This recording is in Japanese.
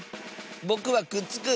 ぼくはくっつく！